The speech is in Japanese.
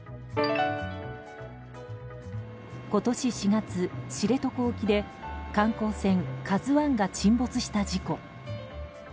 今年４月、知床沖で観光船「ＫＡＺＵ１」が沈没した事故。